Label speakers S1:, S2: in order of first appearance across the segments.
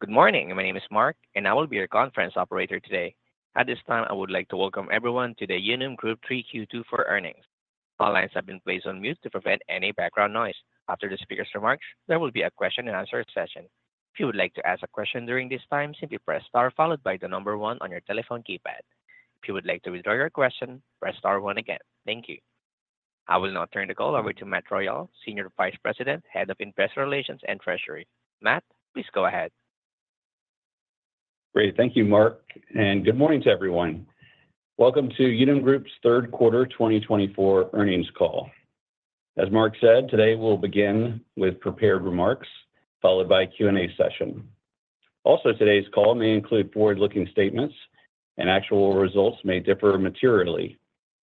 S1: Good morning. My name is Mark, and I will be your conference operator today. At this time, I would like to welcome everyone to the Unum Group Q3 '24 earnings. All lines have been placed on mute to prevent any background noise. After the speaker's remarks, there will be a question-and-answer session. If you would like to ask a question during this time, simply press star followed by the number one on your telephone keypad. If you would like to withdraw your question, press star one again. Thank you. I will now turn the call over to Matt Royal, Senior Vice President, Head of Investor Relations and Treasury. Matt, please go ahead.
S2: Great. Thank you, Mark. And good morning to everyone. Welcome to Unum Group's Third Quarter 2024 earnings call. As Mark said, today we'll begin with prepared remarks followed by a Q&A session. Also, today's call may include forward-looking statements, and actual results may differ materially.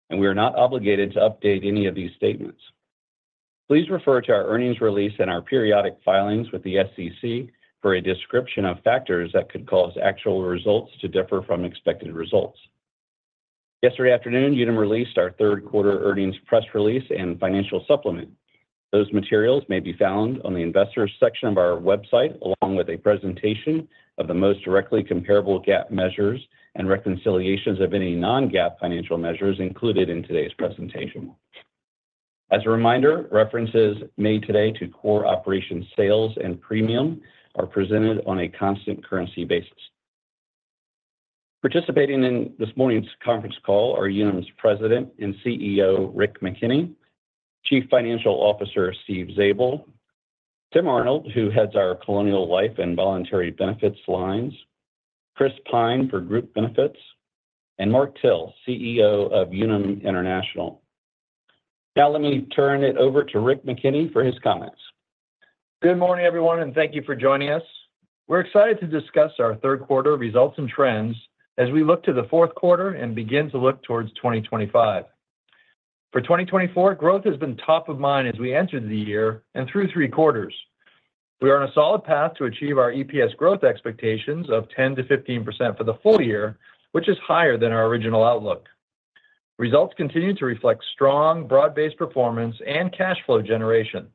S2: And we are not obligated to update any of these statements. Please refer to our earnings release and our periodic filings with the SEC for a description of factors that could cause actual results to differ from expected results. Yesterday afternoon, Unum released our Third Quarter earnings press release and financial supplement. Those materials may be found on the Investors section of our website, along with a presentation of the most directly comparable GAAP measures and reconciliations of any non-GAAP financial measures included in today's presentation. As a reminder, references made today to core operation sales and premium are presented on a constant currency basis. Participating in this morning's conference call are Unum's President and CEO, Rick McKenney, Chief Financial Officer, Steve Zabel, Tim Arnold, who heads our Colonial Life and Voluntary Benefits lines, Chris Pyne for Group Benefits, and Mark Till, CEO of Unum International. Now, let me turn it over to Rick McKenney.
S3: Good morning, everyone, and thank you for joining us. We're excited to discuss our Third Quarter results and trends as we look to the Fourth Quarter and begin to look towards 2025. For 2024, growth has been top of mind as we entered the year and through three quarters. We are on a solid path to achieve our EPS growth expectations of 10%-15% for the full year, which is higher than our original outlook. Results continue to reflect strong broad-based performance and cash flow generation.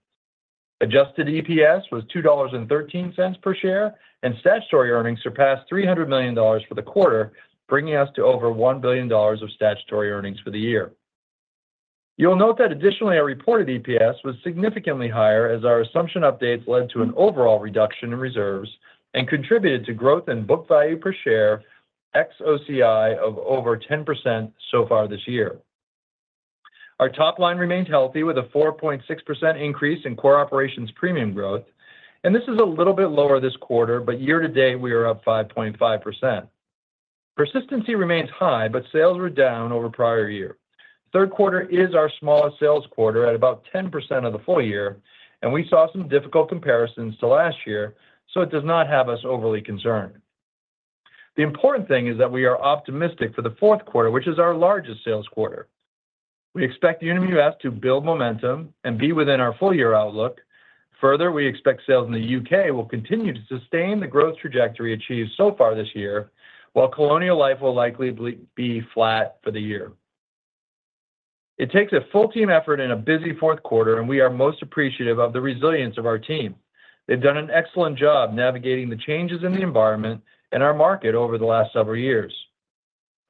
S3: Adjusted EPS was $2.13 per share, and statutory earnings surpassed $300 million for the quarter, bringing us to over $1 billion of statutory earnings for the year. You'll note that additionally, our reported EPS was significantly higher as our assumption updates led to an overall reduction in reserves and contributed to growth in book value per share, exXOCI, of over 10% so far this year. Our top line remained healthy with a 4.6% increase in core operations premium growth. And this is a little bit lower this quarter, but year to date, we are up 5.5%. Persistency remains high, but sales were down over prior year. Third Quarter is our smallest sales quarter at about 10% of the full year, and we saw some difficult comparisons to last year, so it does not have us overly concerned. The important thing is that we are optimistic for the Fourth Quarter, which is our largest sales quarter. We expect Unum US to build momentum and be within our full-year outlook. Further, we expect sales in the U.K. will continue to sustain the growth trajectory achieved so far this year, while Colonial Life will likely be flat for the year. It takes a full-team effort in a busy Fourth Quarter, and we are most appreciative of the resilience of our team. They've done an excellent job navigating the changes in the environment and our market over the last several years.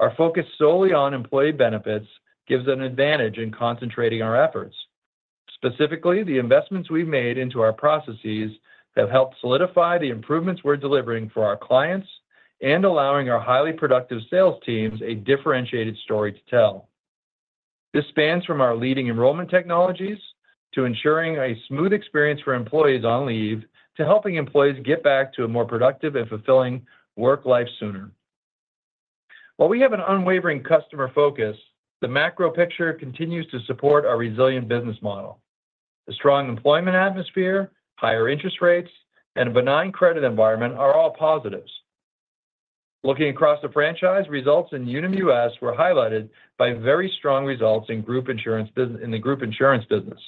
S3: Our focus solely on employee benefits gives an advantage in concentrating our efforts. Specifically, the investments we've made into our processes have helped solidify the improvements we're delivering for our clients and allowing our highly productive sales teams a differentiated story to tell. This spans from our leading enrollment technologies to ensuring a smooth experience for employees on leave to helping employees get back to a more productive and fulfilling work life sooner. While we have an unwavering customer focus, the macro picture continues to support our resilient business model. A strong employment atmosphere, higher interest rates, and a benign credit environment are all positives. Looking across the franchise results in Unum US were highlighted by very strong results in the group insurance business.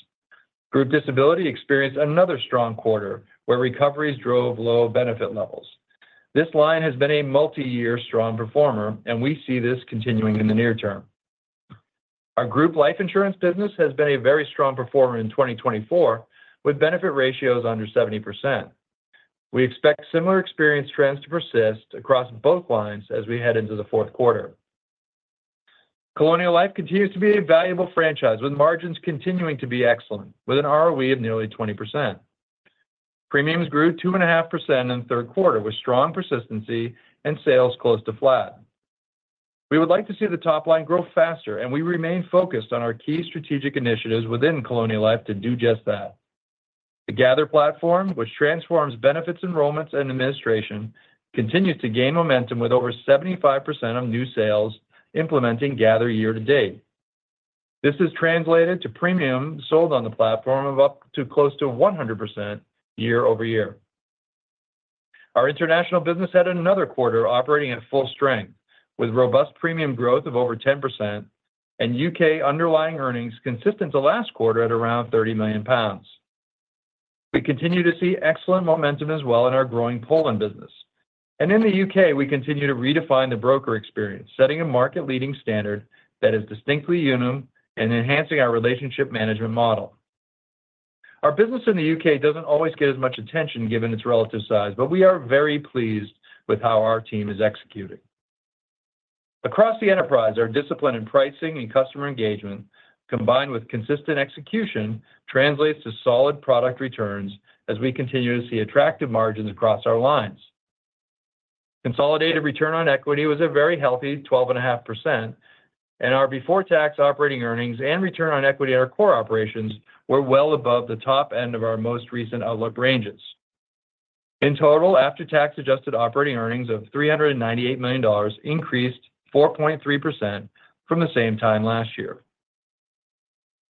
S3: Group disability experienced another strong quarter where recoveries drove low benefit levels. This line has been a multi-year strong performer, and we see this continuing in the near term. Our group life insurance business has been a very strong performer in 2024 with benefit ratios under 70%. We expect similar experience trends to persist across both lines as we head into the Fourth Quarter. Colonial Life continues to be a valuable franchise with margins continuing to be excellent, with an ROE of nearly 20%. Premiums grew 2.5% in the Third Quarter with strong persistency and sales close to flat. We would like to see the top line grow faster, and we remain focused on our key strategic initiatives within Colonial Life to do just that. The Gather platform, which transforms benefits, enrollments, and administration, continues to gain momentum with over 75% of new sales implementing Gather year to date. This is translated to premiums sold on the platform of up to close to 100% year over year. Our international business had another quarter operating at full strength with robust premium growth of over 10% and U.K. underlying earnings consistent to last quarter at around £30 million. We continue to see excellent momentum as well in our growing Poland business, and in the U.K., we continue to redefine the broker experience, setting a market-leading standard that is distinctly Unum and enhancing our relationship management model. Our business in the U.K. doesn't always get as much attention given its relative size, but we are very pleased with how our team is executing. Across the enterprise, our discipline in pricing and customer engagement, combined with consistent execution, translates to solid product returns as we continue to see attractive margins across our lines. Consolidated return on equity was a very healthy 12.5%, and our before-tax operating earnings and return on equity in our core operations were well above the top end of our most recent outlook ranges. In total, after-tax adjusted operating earnings of $398 million increased 4.3% from the same time last year.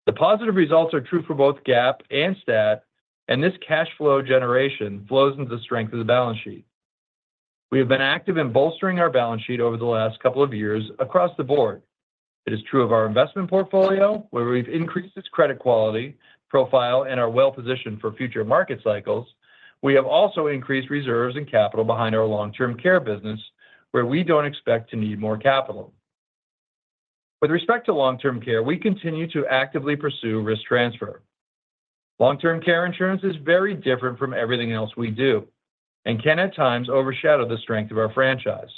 S3: The positive results are true for both GAAP and STAT, and this cash flow generation flows into the strength of the balance sheet. We have been active in bolstering our balance sheet over the last couple of years across the board. It is true of our investment portfolio, where we've increased its credit quality profile and are well positioned for future market cycles. We have also increased reserves and capital behind our long-term care business, where we don't expect to need more capital. With respect to long-term care, we continue to actively pursue risk transfer. Long-term care insurance is very different from everything else we do and can at times overshadow the strength of our franchise.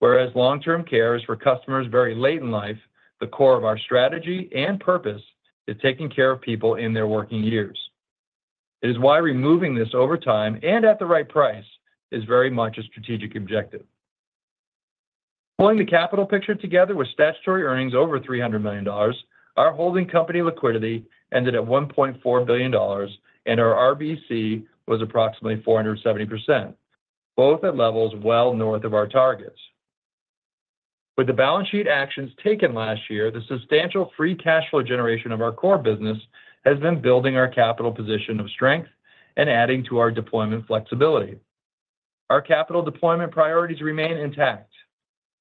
S3: Whereas long-term care is for customers very late in life, the core of our strategy and purpose is taking care of people in their working years. It is why removing this over time and at the right price is very much a strategic objective. Pulling the capital picture together with Statutory Earnings over $300 million, our Holding Company Liquidity ended at $1.4 billion, and our RBC was approximately 470%, both at levels well north of our targets. With the balance sheet actions taken last year, the substantial free cash flow generation of our core business has been building our capital position of strength and adding to our deployment flexibility. Our capital deployment priorities remain intact,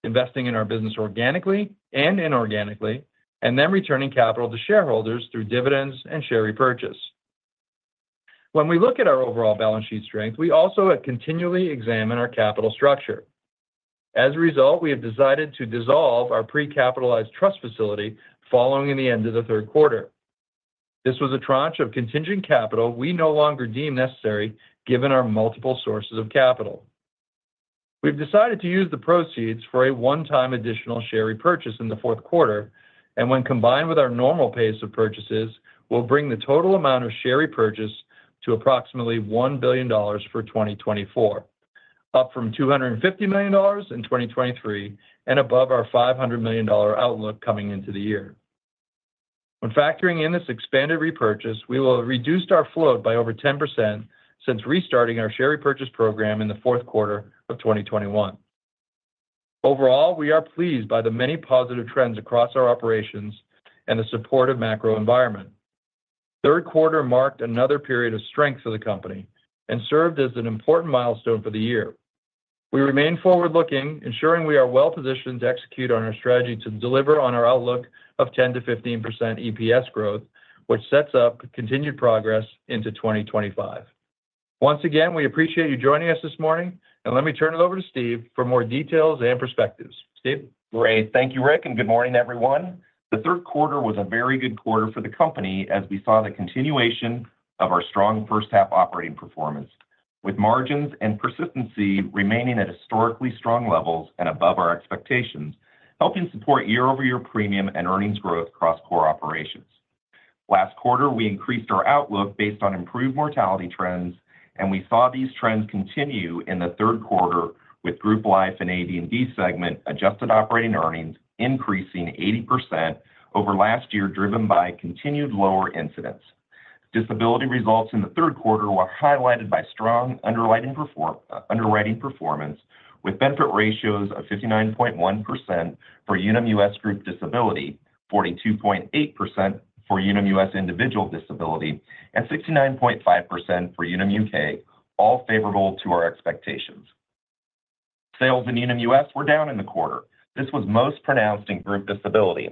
S3: investing in our business organically and inorganically, and then returning capital to shareholders through dividends and share repurchase. When we look at our overall balance sheet strength, we also continually examine our capital structure. As a result, we have decided to dissolve our Pre-Capitalized Trust Facility following the end of the Third Quarter. This was a tranche of contingent capital we no longer deem necessary given our multiple sources of capital. We've decided to use the proceeds for a one-time additional share repurchase in the Fourth Quarter, and when combined with our normal pace of purchases, we'll bring the total amount of share repurchase to approximately $1 billion for 2024, up from $250 million in 2023 and above our $500 million outlook coming into the year. When factoring in this expanded repurchase, we will have reduced our float by over 10% since restarting our share repurchase program in the Fourth Quarter of 2021. Overall, we are pleased by the many positive trends across our operations and the supportive macro environment. Third Quarter marked another period of strength for the company and served as an important milestone for the year. We remain forward-looking, ensuring we are well positioned to execute on our strategy to deliver on our outlook of 10%-15% EPS growth, which sets up continued progress into 2025. Once again, we appreciate you joining us this morning, and let me turn it over to Steve for more details and perspectives. Steve?
S4: Great. Thank you, Rick, and good morning, everyone. The Third Quarter was a very good quarter for the company as we saw the continuation of our strong first-half operating performance, with margins and persistency remaining at historically strong levels and above our expectations, helping support year-over-year premium and earnings growth across core operations. Last quarter, we increased our outlook based on improved mortality trends, and we saw these trends continue in the Third Quarter with Group Life and AD&D segment adjusted operating earnings increasing 80% over last year, driven by continued lower incidents. Disability results in the Third Quarter were highlighted by strong underwriting performance, with benefit ratios of 59.1% for Unum US Group disability, 42.8% for Unum US individual disability, and 69.5% for Unum UK, all favorable to our expectations. Sales in Unum US were down in the quarter. This was most pronounced in Group Disability.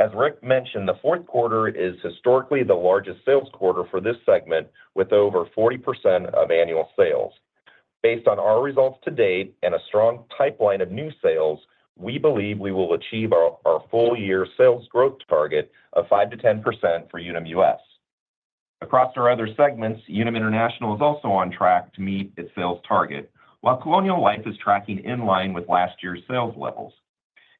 S4: As Rick mentioned, the fourth quarter is historically the largest sales quarter for this segment, with over 40% of annual sales. Based on our results to date and a strong pipeline of new sales, we believe we will achieve our full-year sales growth target of 5%-10% for Unum US. Across our other segments, Unum International is also on track to meet its sales target, while Colonial Life is tracking in line with last year's sales levels.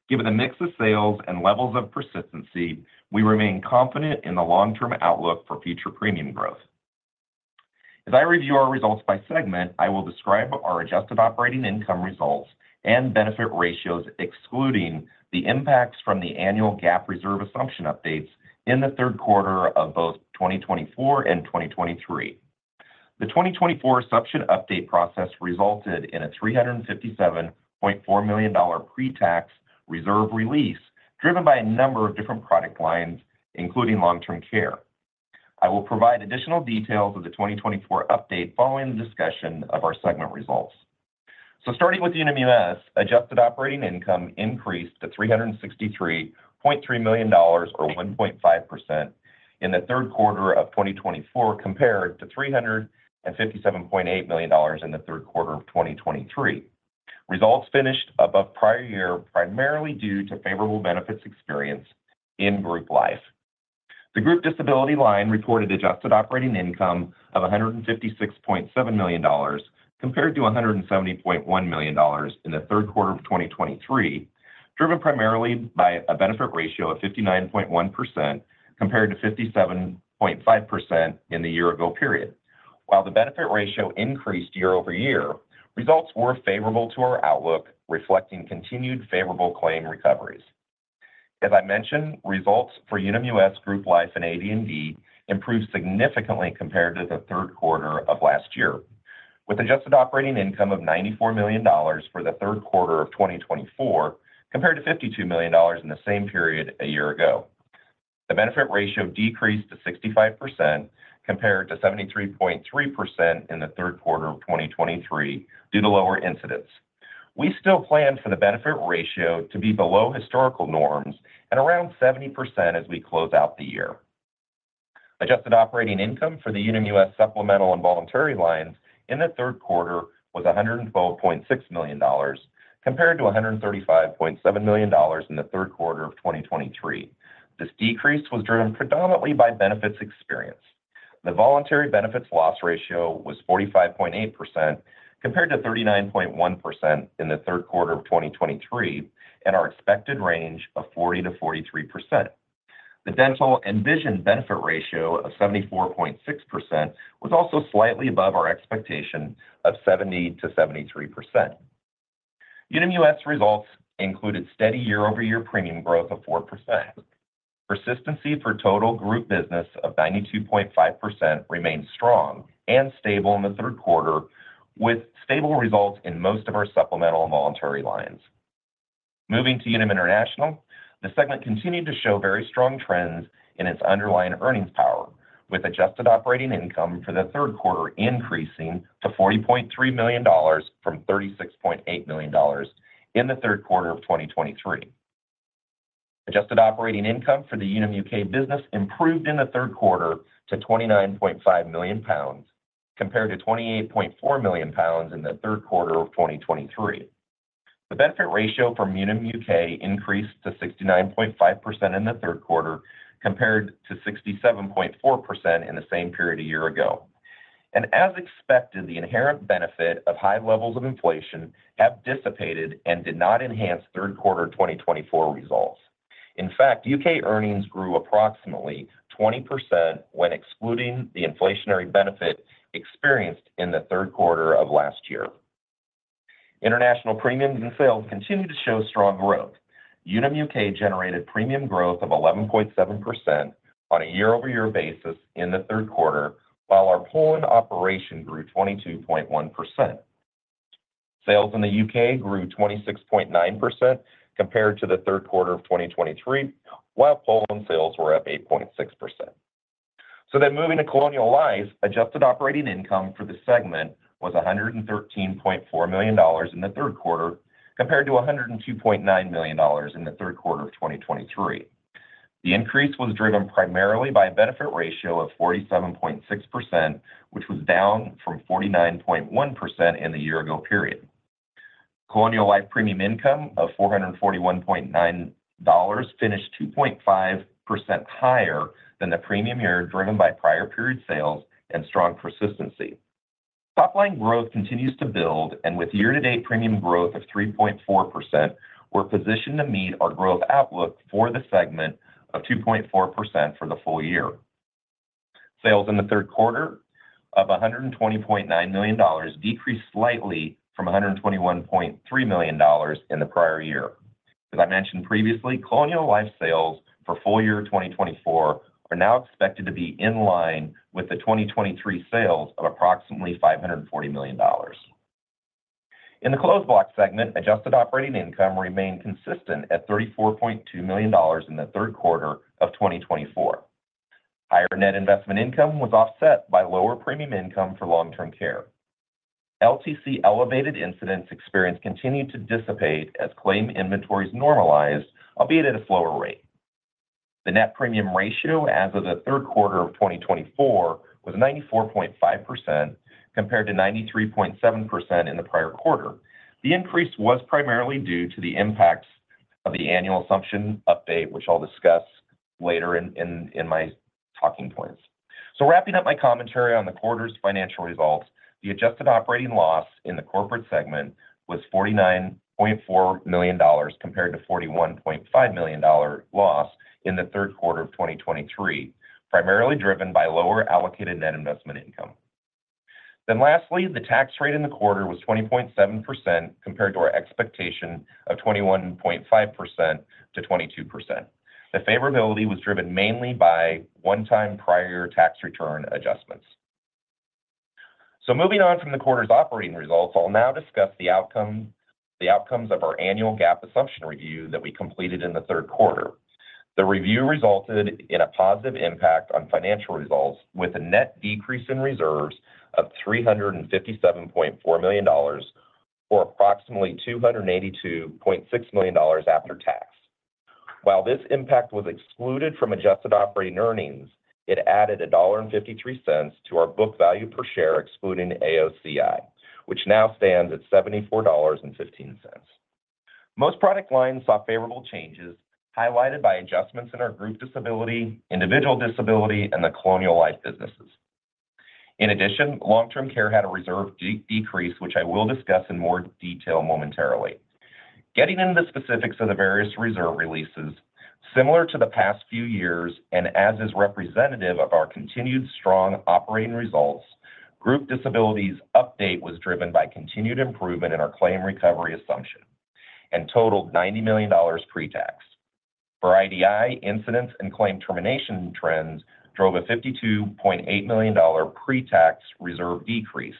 S4: Given the mix of sales and levels of persistency, we remain confident in the long-term outlook for future premium growth. As I review our results by segment, I will describe our adjusted operating income results and benefit ratios, excluding the impacts from the annual GAAP reserve assumption updates in the third quarter of both 2024 and 2023. The 2024 assumption update process resulted in a $357.4 million pre-tax reserve release driven by a number of different product lines, including long-term care. I will provide additional details of the 2024 update following the discussion of our segment results. So starting with Unum US, adjusted operating income increased to $363.3 million, or 1.5%, in the Third Quarter of 2024 compared to $357.8 million in the Third Quarter of 2023. Results finished above prior year primarily due to favorable benefits experience in Group Life. The Group Disability line reported adjusted operating income of $156.7 million compared to $170.1 million in the Third Quarter of 2023, driven primarily by a benefit ratio of 59.1% compared to 57.5% in the year-ago period. While the benefit ratio increased year over year, results were favorable to our outlook, reflecting continued favorable claim recoveries. As I mentioned, results for Unum US Group Life and AD&D improved significantly compared to the Third Quarter of last year, with adjusted operating income of $94 million for the Third Quarter of 2024 compared to $52 million in the same period a year ago. The benefit ratio decreased to 65% compared to 73.3% in the Third Quarter of 2023 due to lower incidents. We still plan for the benefit ratio to be below historical norms at around 70% as we close out the year. Adjusted operating income for the Unum US Supplemental and Voluntary lines in the Third Quarter was $112.6 million compared to $135.7 million in the Third Quarter of 2023. This decrease was driven predominantly by benefits experience. The voluntary benefits loss ratio was 45.8% compared to 39.1% in the Third Quarter of 2023 and our expected range of 40%-43%. The dental and vision benefit ratio of 74.6% was also slightly above our expectation of 70%-73%. Unum US results included steady year-over-year premium growth of 4%. Persistency for total group business of 92.5% remained strong and stable in the Third Quarter, with stable results in most of our supplemental and voluntary lines. Moving to Unum International, the segment continued to show very strong trends in its underlying earnings power, with adjusted operating income for the Third Quarter increasing to $40.3 million from $36.8 million in the Third Quarter of 2023. Adjusted operating income for the Unum UK business improved in the Third Quarter to £29.5 million compared to £28.4 million in the Third Quarter of 2023. The benefit ratio from Unum UK increased to 69.5% in the Third Quarter compared to 67.4% in the same period a year ago. As expected, the inherent benefit of high levels of inflation has dissipated and did not enhance Third Quarter 2024 results. In fact, U.K. earnings grew approximately 20% when excluding the inflationary benefit experienced in the Third Quarter of last year. International premiums and sales continue to show strong growth. Unum U.K. generated premium growth of 11.7% on a year-over-year basis in the Third Quarter, while our Poland operation grew 22.1%. Sales in the U.K. grew 26.9% compared to the Third Quarter of 2023, while Poland sales were up 8.6%. Then moving to Colonial Life, adjusted operating income for the segment was $113.4 million in the Third Quarter compared to $102.9 million in the Third Quarter of 2023. The increase was driven primarily by a benefit ratio of 47.6%, which was down from 49.1% in the year-ago period. Colonial Life premium income of $441.9 finished 2.5% higher than the premium year driven by prior period sales and strong persistency. Top-line growth continues to build, and with year-to-date premium growth of 3.4%, we're positioned to meet our growth outlook for the segment of 2.4% for the full year. Sales in the Third Quarter of $120.9 million decreased slightly from $121.3 million in the prior year. As I mentioned previously, Colonial Life sales for full year 2024 are now expected to be in line with the 2023 sales of approximately $540 million. In the closed-block segment, adjusted operating income remained consistent at $34.2 million in the Third Quarter of 2024. Higher net investment income was offset by lower premium income for long-term care. LTC elevated incidents experience continued to dissipate as claim inventories normalized, albeit at a slower rate. The Net Premium Ratio as of the third quarter of 2024 was 94.5% compared to 93.7% in the prior quarter. The increase was primarily due to the impacts of the annual Assumption Update, which I'll discuss later in my talking points. Wrapping up my commentary on the quarter's financial results, the adjusted operating loss in the corporate segment was $49.4 million compared to $41.5 million loss in the third quarter of 2023, primarily driven by lower allocated net investment income. Lastly, the tax rate in the quarter was 20.7% compared to our expectation of 21.5% to 22%. The favorability was driven mainly by one-time prior tax return adjustments. Moving on from the quarter's operating results, I'll now discuss the outcomes of our annual GAAP Assumption Update that we completed in the third quarter. The review resulted in a positive impact on financial results with a net decrease in reserves of $357.4 million or approximately $282.6 million after tax. While this impact was excluded from adjusted operating earnings, it added $1.53 to our book value per share excluding the AOCI, which now stands at $74.15. Most product lines saw favorable changes highlighted by adjustments in our group disability, individual disability, and the Colonial Life businesses. In addition, long-term care had a reserve decrease, which I will discuss in more detail momentarily. Getting into the specifics of the various reserve releases, similar to the past few years and as is representative of our continued strong operating results, Group Disability update was driven by continued improvement in our claim recovery assumption and totaled $90 million pre-tax. For IDI incidents and claim termination trends drove a $52.8 million pre-tax reserve decrease.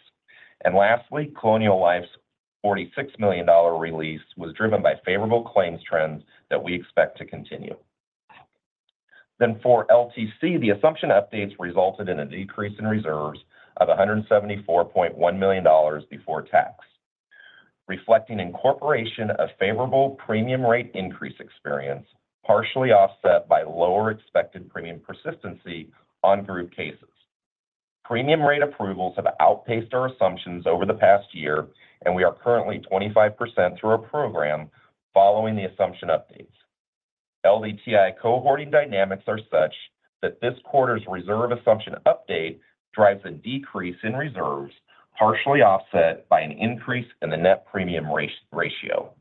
S4: Lastly, Colonial Life's $46 million release was driven by favorable claims trends that we expect to continue. For LTC, the assumption updates resulted in a decrease in reserves of $174.1 million before tax, reflecting incorporation of favorable premium rate increase experience partially offset by lower expected premium persistency on group cases. Premium rate approvals have outpaced our assumptions over the past year, and we are currently 25% through our program following the assumption updates. LDTI Cohorting Dynamics are such that this quarter's reserve assumption update drives a decrease in reserves partially offset by an increase in the net premium ratio.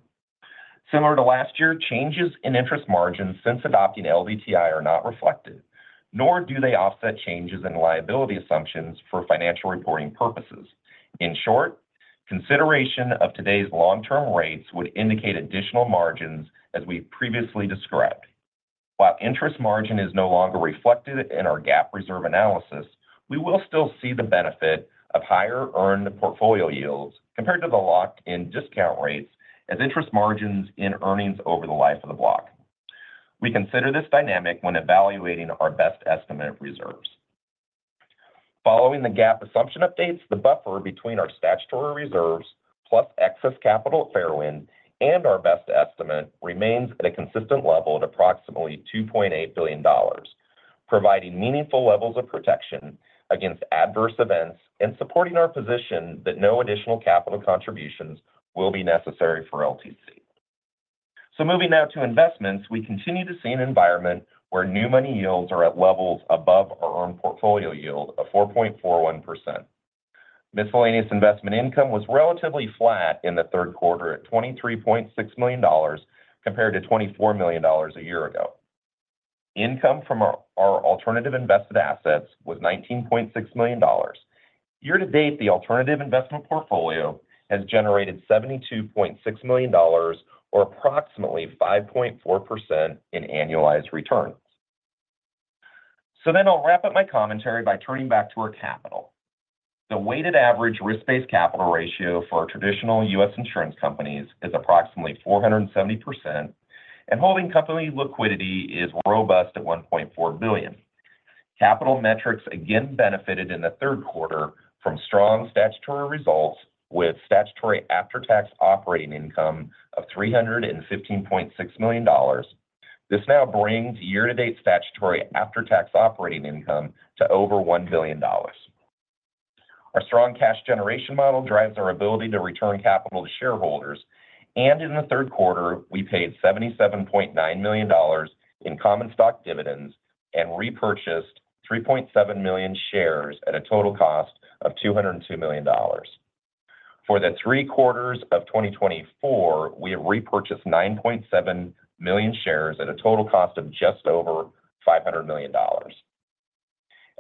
S4: Similar to last year, changes in interest margins since adopting LDTI are not reflected, nor do they offset changes in liability assumptions for financial reporting purposes. In short, consideration of today's long-term rates would indicate additional margins as we previously described. While interest margin is no longer reflected in our GAAP reserve analysis, we will still see the benefit of higher earned portfolio yields compared to the locked-in discount rates as interest margins in earnings over the life of the block. We consider this dynamic when evaluating our best estimate of reserves. Following the GAAP assumption updates, the buffer between our statutory reserves plus excess capital at fair wind and our best estimate remains at a consistent level at approximately $2.8 billion, providing meaningful levels of protection against adverse events and supporting our position that no additional capital contributions will be necessary for LTC. So moving now to investments, we continue to see an environment where new money yields are at levels above our earned portfolio yield of 4.41%. Miscellaneous investment income was relatively flat in the Third Quarter at $23.6 million compared to $24 million a year ago. Income from our alternative invested assets was $19.6 million. Year-to-date, the alternative investment portfolio has generated $72.6 million or approximately 5.4% in annualized returns. So then I'll wrap up my commentary by turning back to our capital. The weighted average risk-based capital ratio for traditional U.S. insurance companies is approximately 470%, and holding company liquidity is robust at $1.4 billion. Capital metrics again benefited in the Third Quarter from strong statutory results with statutory after-tax operating income of $315.6 million. This now brings year-to-date statutory after-tax operating income to over $1 billion. Our strong cash generation model drives our ability to return capital to shareholders. And in the Third Quarter, we paid $77.9 million in common stock dividends and repurchased 3.7 million shares at a total cost of $202 million. For the three quarters of 2024, we have repurchased 9.7 million shares at a total cost of just over $500 million.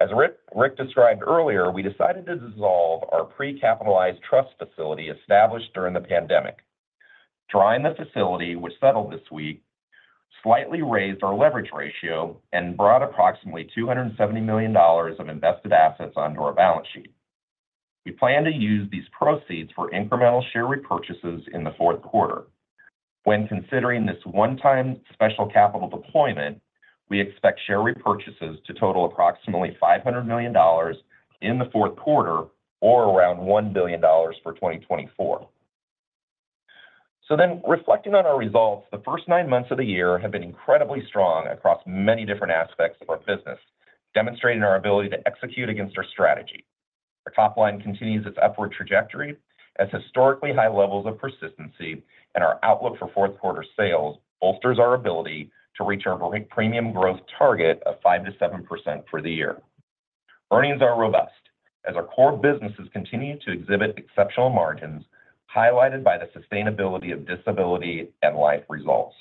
S4: As Rick described earlier, we decided to dissolve our Pre-Capitalized Trust Facility established during the pandemic. Drawing the facility, which settled this week, slightly raised our leverage ratio and brought approximately $270 million of invested assets onto our balance sheet. We plan to use these proceeds for incremental share repurchases in the Fourth Quarter. When considering this one-time special capital deployment, we expect share repurchases to total approximately $500 million in the Fourth Quarter or around $1 billion for 2024. So then reflecting on our results, the first nine months of the year have been incredibly strong across many different aspects of our business, demonstrating our ability to execute against our strategy. Our top line continues its upward trajectory as historically high levels of persistency and our outlook for fourth quarter sales bolsters our ability to reach our premium growth target of 5%-7% for the year. Earnings are robust as our core businesses continue to exhibit exceptional margins highlighted by the sustainability of disability and life results.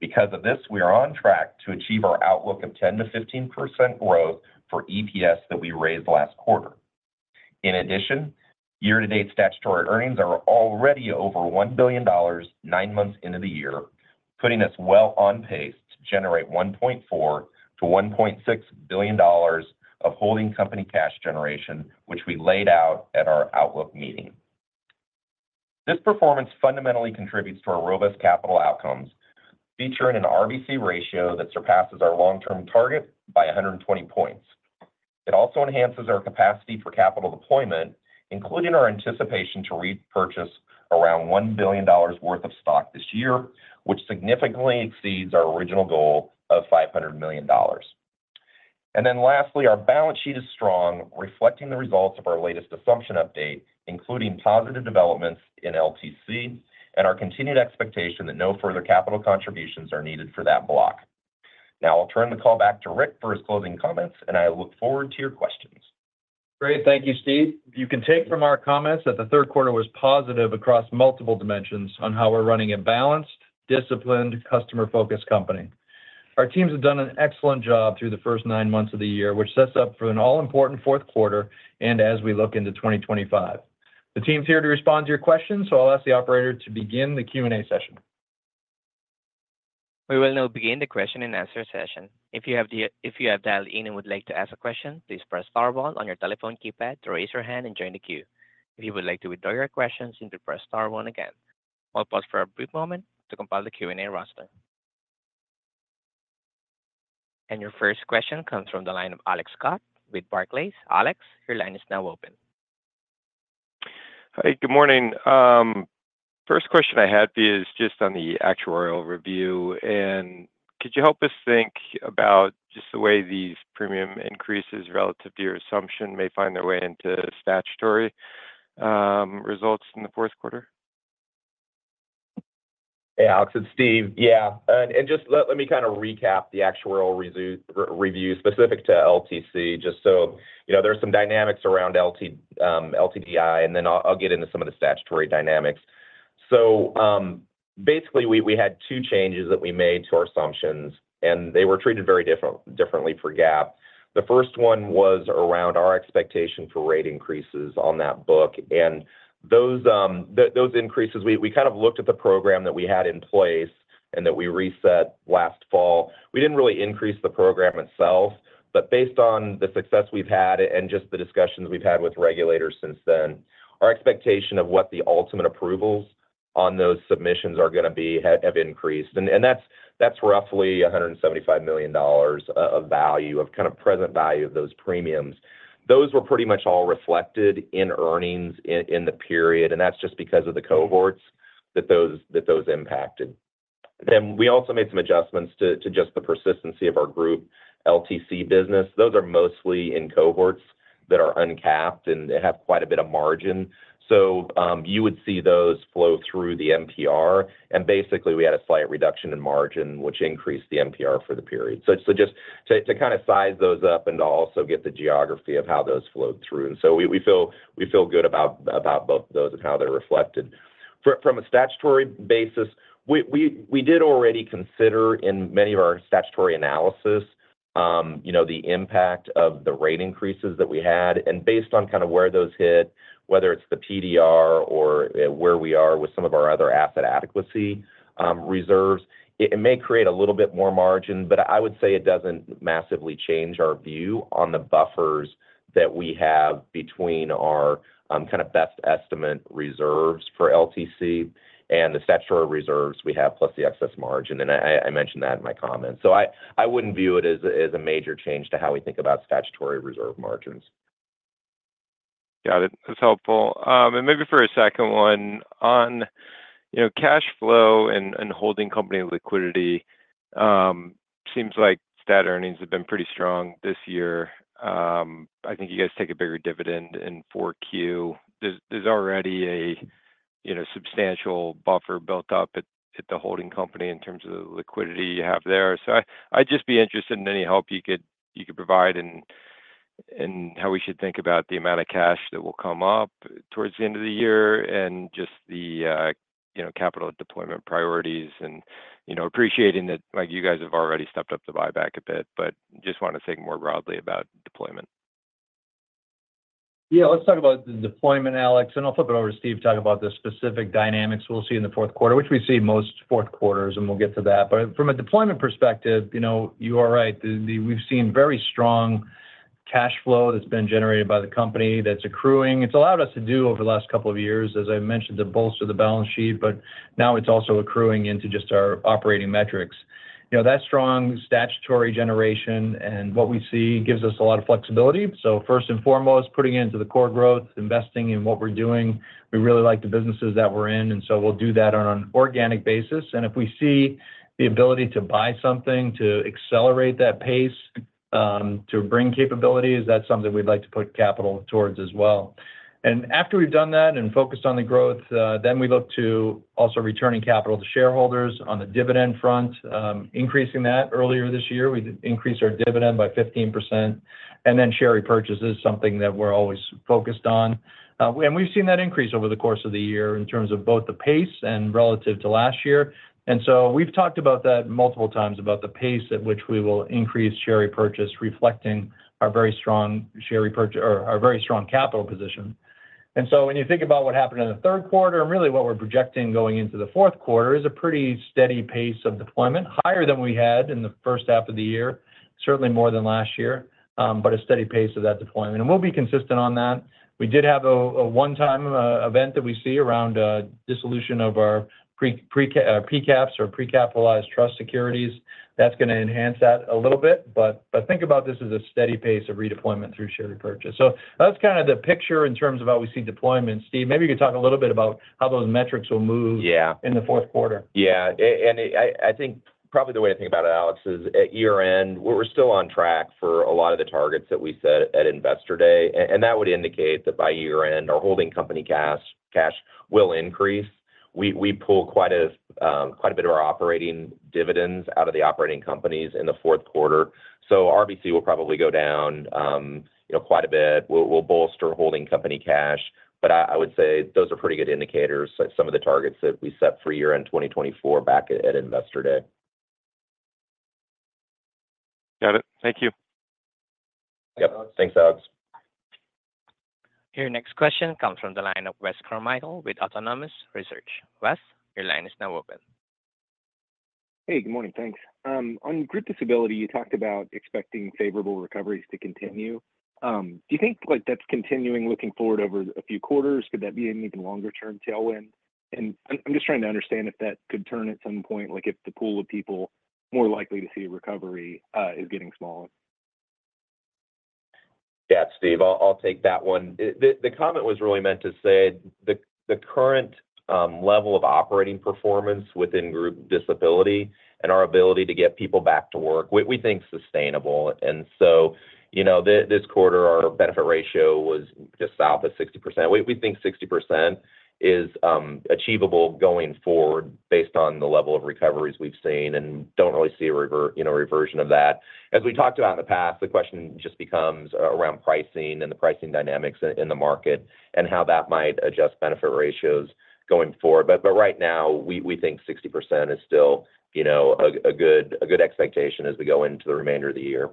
S4: Because of this, we are on track to achieve our outlook of 10%-15% growth for EPS that we raised last quarter. In addition, year-to-date statutory earnings are already over $1 billion nine months into the year, putting us well on pace to generate $1.4-$1.6 billion of holding company cash generation, which we laid out at our outlook meeting. This performance fundamentally contributes to our robust capital outcomes, featuring an RBC ratio that surpasses our long-term target by 120 points. It also enhances our capacity for capital deployment, including our anticipation to repurchase around $1 billion worth of stock this year, which significantly exceeds our original goal of $500 million and then lastly, our balance sheet is strong, reflecting the results of our latest assumption update, including positive developments in LTC and our continued expectation that no further capital contributions are needed for that block. Now I'll turn the call back to Rick for his closing comments, and I look forward to your questions.
S3: Great. Thank you, Steve. You can take from our comments that the third quarter was positive across multiple dimensions on how we're running a balanced, disciplined, customer-focused company. Our teams have done an excellent job through the first nine months of the year, which sets up for an all-important fourth quarter and as we look into 2025. The team's here to respond to your questions, so I'll ask the operator to begin the Q&A session.
S1: We will now begin the question and answer session. If you have dialed in and would like to ask a question, please press star one on your telephone keypad to raise your hand and join the queue. If you would like to withdraw your questions, simply press star one again. I'll pause for a brief moment to compile the Q&A roster. Your first question comes from the line of Alex Scott with Barclays. Alex, your line is now open.
S5: Hi, good morning. First question I had is just on the actuarial review. Could you help us think about just the way these premium increases relative to your assumption may find their way into statutory results in the Fourth Quarter?
S4: Hey, Alex, it's Steve. Yeah. Just let me kind of recap the actuarial review specific to LTC, just so there's some dynamics around LDTI, and then I'll get into some of the statutory dynamics. Basically, we had two changes that we made to our assumptions, and they were treated very differently for GAAP. The first one was around our expectation for rate increases on that book. Those increases, we kind of looked at the program that we had in place and that we reset last fall. We didn't really increase the program itself, but based on the success we've had and just the discussions we've had with regulators since then, our expectation of what the ultimate approvals on those submissions are going to be have increased. That's roughly $175 million of value of kind of present value of those premiums. Those were pretty much all reflected in earnings in the period, and that's just because of the cohorts that those impacted. Then we also made some adjustments to just the persistency of our group LTC business. Those are mostly in cohorts that are uncapped and have quite a bit of margin. So you would see those flow through the MPR. And basically, we had a slight reduction in margin, which increased the MPR for the period. So just to kind of size those up and to also get the geography of how those flowed through. And so we feel good about both of those and how they're reflected. From a statutory basis, we did already consider in many of our statutory analysis the impact of the rate increases that we had. And based on kind of where those hit, whether it's the PDR or where we are with some of our other asset adequacy reserves, it may create a little bit more margin, but I would say it doesn't massively change our view on the buffers that we have between our kind of best estimate reserves for LTC and the statutory reserves we have plus the excess margin. And I mentioned that in my comments. So I wouldn't view it as a major change to how we think about statutory reserve margins.
S5: Got it. That's helpful. And maybe for a second one on cash flow and holding company liquidity, it seems like stat earnings have been pretty strong this year. I think you guys take a bigger dividend in 4Q. There's already a substantial buffer built up at the holding company in terms of the liquidity you have there. So I'd just be interested in any help you could provide and how we should think about the amount of cash that will come up towards the end of the year and just the capital deployment priorities and appreciating that you guys have already stepped up the buyback a bit, but just want to think more broadly about deployment.
S3: Yeah, let's talk about the deployment, Alex, and I'll flip it over to Steve to talk about the specific dynamics we'll see in the Fourth Quarter, which we see most Fourth Quarters, and we'll get to that, but from a deployment perspective, you are right. We've seen very strong cash flow that's been generated by the company that's accruing. It's allowed us to do over the last couple of years, as I mentioned, to bolster the balance sheet, but now it's also accruing into just our operating metrics. That strong statutory generation and what we see gives us a lot of flexibility. So first and foremost, putting into the core growth, investing in what we're doing. We really like the businesses that we're in, and so we'll do that on an organic basis. And if we see the ability to buy something to accelerate that pace to bring capabilities, that's something we'd like to put capital towards as well. And after we've done that and focused on the growth, then we look to also returning capital to shareholders on the dividend front, increasing that earlier this year. We increased our dividend by 15%. And then share repurchase is something that we're always focused on. And we've seen that increase over the course of the year in terms of both the pace and relative to last year. And so we've talked about that multiple times about the pace at which we will increase share repurchase, reflecting our very strong share repurchase or our very strong capital position. And so when you think about what happened in the Third Quarter and really what we're projecting going into the Fourth Quarter is a pretty steady pace of deployment, higher than we had in the first half of the year, certainly more than last year, but a steady pace of that deployment. And we'll be consistent on that. We did have a one-time event that we see around dissolution of our pre-caps or pre-capitalized trust securities. That's going to enhance that a little bit. But think about this as a steady pace of redeployment through share repurchase. So that's kind of the picture in terms of how we see deployment. Steve, maybe you could talk a little bit about how those metrics will move in the Fourth Quarter.
S4: Yeah. And I think probably the way to think about it, Alex, is at year-end, we're still on track for a lot of the targets that we set at investor day. And that would indicate that by year-end, our holding company cash will increase. We pull quite a bit of our operating dividends out of the operating companies in the Fourth Quarter. So RBC will probably go down quite a bit. We'll bolster holding company cash. But I would say those are pretty good indicators, some of the targets that we set for year-end 2024 back at investor day.
S5: Got it. Thank you.
S4: Yep. Thanks, Alex.
S1: Your next question comes from the line of Wes Carmichael with Autonomous Research. Wes, your line is now open.
S6: Hey, good morning. Thanks. On group disability, you talked about expecting favorable recoveries to continue. Do you think that's continuing looking forward over a few quarters? Could that be an even longer-term tailwind? And I'm just trying to understand if that could turn at some point, like if the pool of people more likely to see a recovery is getting smaller.
S3: Yeah, Steve, I'll take that one. The comment was really meant to say the current level of operating performance within group disability and our ability to get people back to work, we think sustainable, and so this quarter, our benefit ratio was just south of 60%. We think 60% is achievable going forward based on the level of recoveries we've seen and don't really see a reversion of that. As we talked about in the past, the question just becomes around pricing and the pricing dynamics in the market and how that might adjust benefit ratios going forward. But right now, we think 60% is still a good expectation as we go into the remainder of the year.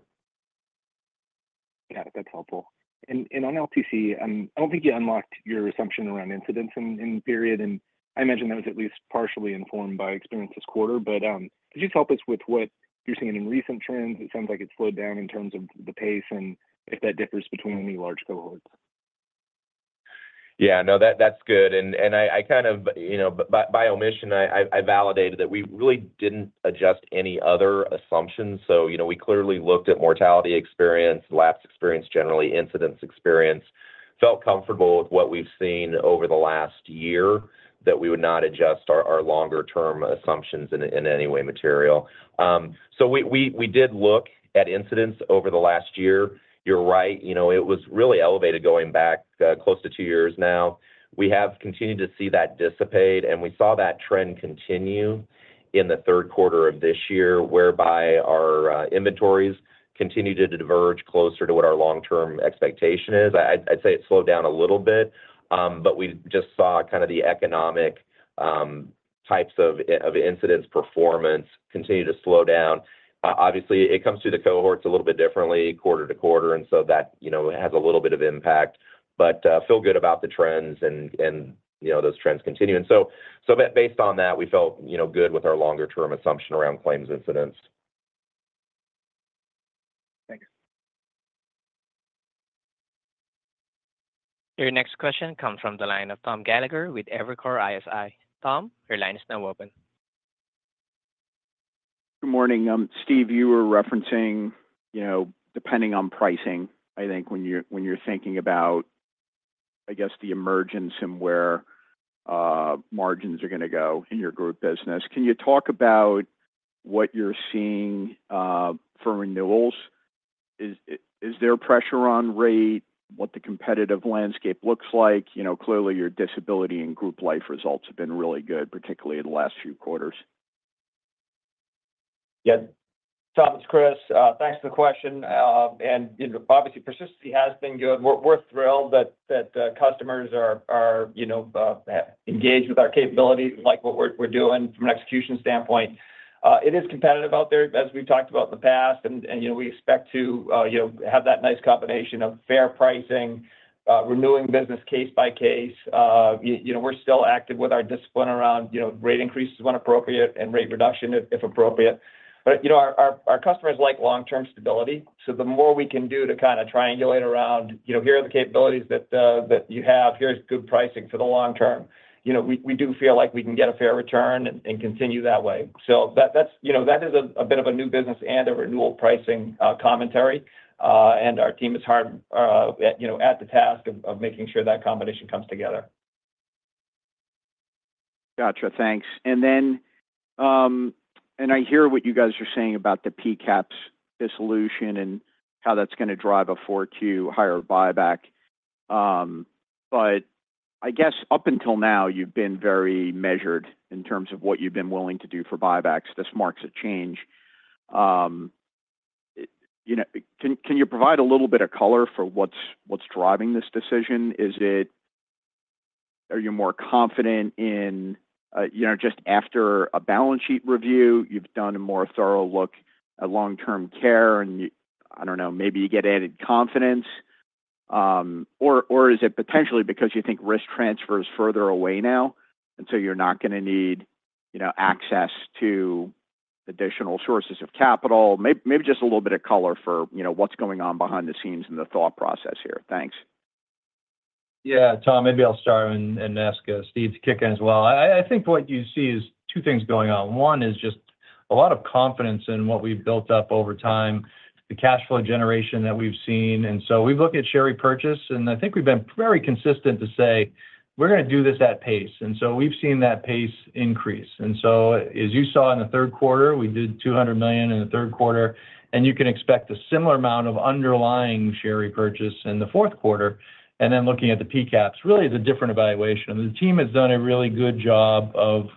S3: Yeah, that's helpful. And on LTC, I don't think you unlocked your assumption around incidents in the period. And I imagine that was at least partially informed by experience this quarter. But could you help us with what you're seeing in recent trends? It sounds like it's slowed down in terms of the pace and if that differs between any large cohorts. Yeah, no, that's good. And I kind of, by omission, I validated that we really didn't adjust any other assumptions. So we clearly looked at mortality experience, lapse experience generally, incidents experience. Felt comfortable with what we've seen over the last year that we would not adjust our longer-term assumptions in any way material. So we did look at incidents over the last year. You're right. It was really elevated going back close to two years now. We have continued to see that dissipate, and we saw that trend continue in the third quarter of this year, whereby our incidents continued to converge closer to what our long-term expectation is. I'd say it slowed down a little bit, but we just saw kind of the economic types of incidents performance continue to slow down. Obviously, it comes to the cohorts a little bit differently, quarter to quarter, and so that has a little bit of impact. But feel good about the trends and those trends continuing. So based on that, we felt good with our longer-term assumption around claims incidents.
S6: Thanks.
S1: Your next question comes from the line of Tom Gallagher with3Evercore ISI. Tom, your line is now open.
S7: Good morning. Steve, you were referencing depending on pricing, I think, when you're thinking about, I guess, the emergence and where margins are going to go in your group business. Can you talk about what you're seeing for renewals? Is there pressure on rate, what the competitive landscape looks like? Clearly, your disability and group life results have been really good, particularly in the last few quarters.
S8: Yeah. Tom, it's Chris. Thanks for the question. And obviously, persistency has been good. We're thrilled that customers are engaged with our capabilities, like what we're doing from an execution standpoint. It is competitive out there, as we've talked about in the past, and we expect to have that nice combination of fair pricing, renewing business case by case. We're still active with our discipline around rate increases when appropriate and rate reduction if appropriate. But our customers like long-term stability. So the more we can do to kind of triangulate around, "Here are the capabilities that you have. Here's good pricing for the long term." We do feel like we can get a fair return and continue that way. So that is a bit of a new business and a renewal pricing commentary. And our team is hard at the task of making sure that combination comes together.
S7: Gotcha. Thanks. And I hear what you guys are saying about the pre-caps dissolution and how that's going to drive a Q4 higher buyback. But I guess up until now, you've been very measured in terms of what you've been willing to do for buybacks. This marks a change. Can you provide a little bit of color for what's driving this decision? Are you more confident in just after a balance sheet review, you've done a more thorough look at long-term care and, I don't know, maybe you get added confidence? Or is it potentially because you think risk transfer is further away now, and so you're not going to need access to additional sources of capital? Maybe just a little bit of color for what's going on behind the scenes in the thought process here. Thanks.
S3: Yeah, Tom, maybe I'll start and ask Steve to kick in as well. I think what you see is two things going on. One is just a lot of confidence in what we've built up over time, the cash flow generation that we've seen. We've looked at share repurchase, and I think we've been very consistent to say, "We're going to do this at pace." We've seen that pace increase. As you saw in the third quarter, we did $200 million in the third quarter, and you can expect a similar amount of underlying share repurchase in the fourth quarter. Looking at the pre-caps, really the different evaluation. The team has done a really good job of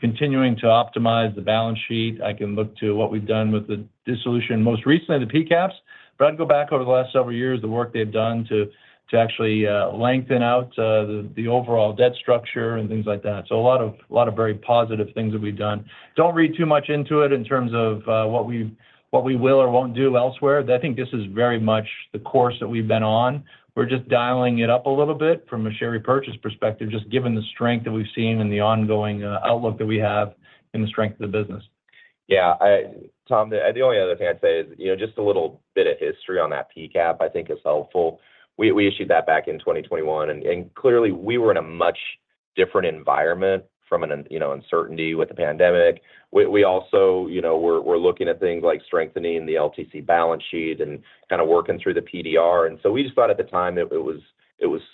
S3: continuing to optimize the balance sheet. I can look to what we've done with the dissolution most recently, the pre-caps, but I'd go back over the last several years, the work they've done to actually lengthen out the overall debt structure and things like that. A lot of very positive things that we've done. Don't read too much into it in terms of what we will or won't do elsewhere. I think this is very much the course that we've been on. We're just dialing it up a little bit from a share repurchase perspective, just given the strength that we've seen and the ongoing outlook that we have and the strength of the business.
S4: Yeah. Tom, the only other thing I'd say is just a little bit of history on that pre-cap, I think, is helpful. We issued that back in 2021, and clearly, we were in a much different environment from uncertainty with the pandemic. We also were looking at things like strengthening the LTC balance sheet and kind of working through the PDR. And so we just thought at the time it was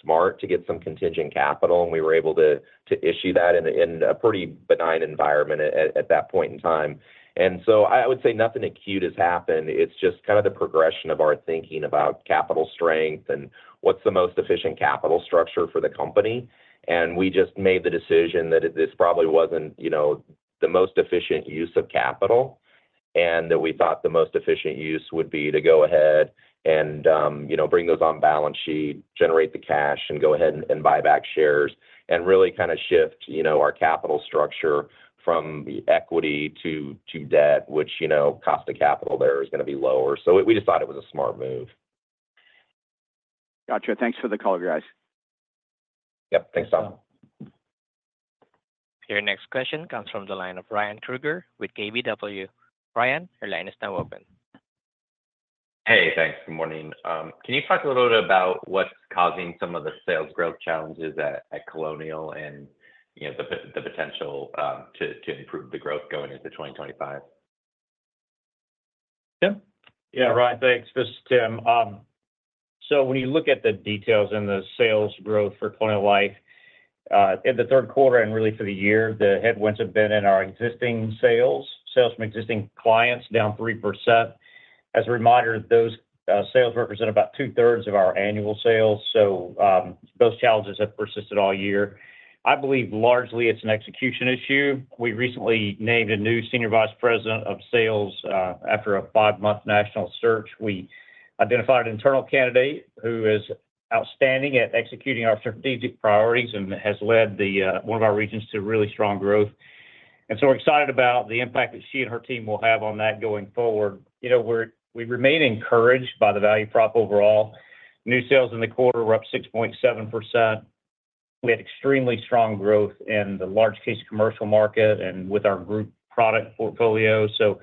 S4: smart to get some contingent capital, and we were able to issue that in a pretty benign environment at that point in time. And so I would say nothing acute has happened. It's just kind of the progression of our thinking about capital strength and what's the most efficient capital structure for the company. And we just made the decision that this probably wasn't the most efficient use of capital, and that we thought the most efficient use would be to go ahead and bring those on balance sheet, generate the cash, and go ahead and buy back shares, and really kind of shift our capital structure from equity to debt, which cost of capital there is going to be lower. So we decided it was a smart move.
S7: Gotcha. Thanks for the call, guys.
S3: Yep. Thanks, Tom.
S1: Your next question comes from the line of Ryan Krueger with KBW. Ryan, your line is now open.
S9: Hey, thanks. Good morning. Can you talk a little bit about what's causing some of the sales growth challenges at Colonial and the potential to improve the growth going into 2025?
S3: Tim?
S10: Yeah, Ryan, thanks. This is Tim. So when you look at the details in the sales growth for Colonial Life in the third quarter and really for the year, the headwinds have been in our existing sales, sales from existing clients down 3%. As a reminder, those sales represent about two-thirds of our annual sales. So those challenges have persisted all year. I believe largely it's an execution issue. We recently named a new senior vice president of sales after a five-month national search. We identified an internal candidate who is outstanding at executing our strategic priorities and has led one of our regions to really strong growth. And so we're excited about the impact that she and her team will have on that going forward. We remain encouraged by the value prop overall. New sales in the quarter were up 6.7%. We had extremely strong growth in the large-case commercial market and with our group product portfolio. So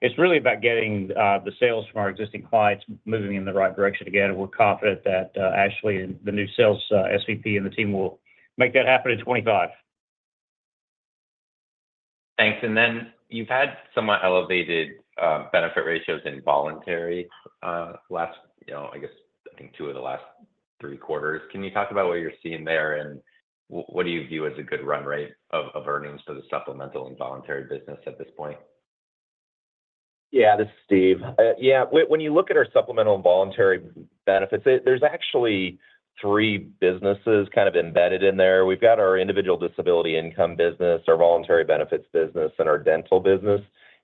S10: it's really about getting the sales from our existing clients moving in the right direction again. We're confident that Ashley and the new sales SVP and the team will make that happen in 2025.
S9: Thanks. And then you've had somewhat elevated benefit ratios in voluntary last, I guess, I think two of the last three quarters. Can you talk about what you're seeing there and what do you view as a good run rate of earnings for the supplemental and voluntary business at this point?
S4: Yeah, this is Steve. Yeah. When you look at our supplemental and voluntary benefits, there's actually three businesses kind of embedded in there. We've got our individual disability income business, our voluntary benefits business, and our dental business.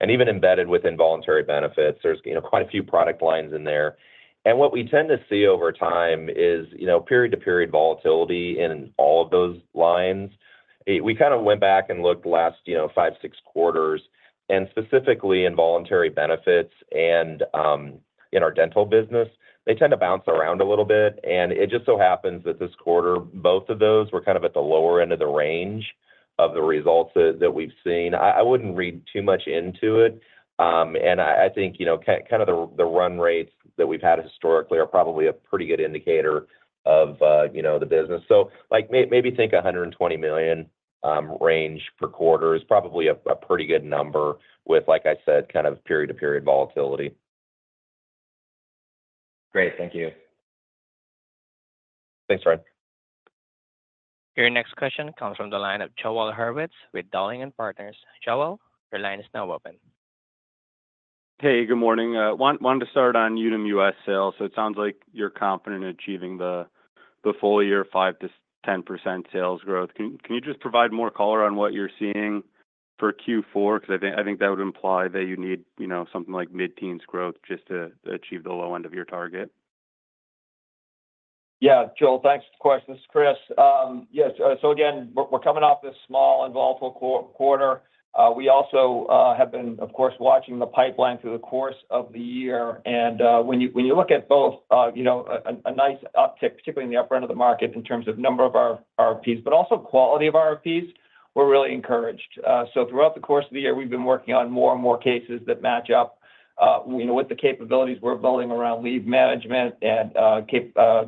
S4: Even embedded within voluntary benefits, there's quite a few product lines in there. What we tend to see over time is period-to-period volatility in all of those lines. We kind of went back and looked last five, six quarters. Specifically in voluntary benefits and in our dental business, they tend to bounce around a little bit. It just so happens that this quarter, both of those were kind of at the lower end of the range of the results that we've seen. I wouldn't read too much into it. I think kind of the run rates that we've had historically are probably a pretty good indicator of the business. Maybe think $120 million range per quarter is probably a pretty good number with, like I said, kind of period-to-period volatility.
S9: Great. Thank you.
S10: Thanks, Ryan.
S1: Your next question comes from the line of Joel Hurwitz with Dowling & Partners. Joel, your line is now open.
S11: Hey, good morning. Wanted to start on Unum US sales. It sounds like you're confident in achieving the full year, 5%-10% sales growth. Can you just provide more color on what you're seeing for Q4? Because I think that would imply that you need something like mid-teens growth just to achieve the low end of your target.
S8: Yeah. Joel, thanks for the question. This is Chris. Yes. So again, we're coming off this small and volatile quarter. We also have been, of course, watching the pipeline through the course of the year. And when you look at both a nice uptick, particularly in the upper end of the market in terms of number of our RFPs, but also quality of our RFPs, we're really encouraged. So throughout the course of the year, we've been working on more and more cases that match up with the capabilities we're building around lead management and